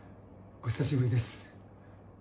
お久しぶりです。